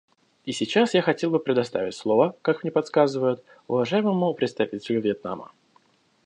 И сейчас я хотел бы предоставить слово, как мне подсказывают, уважаемому представителю Вьетнама.